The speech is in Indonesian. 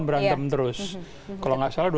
berantem terus kalau nggak salah